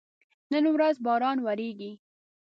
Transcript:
نن ورځ باران وریږي